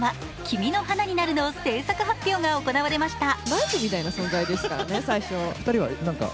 「君の花になる」の制作発表が行われました。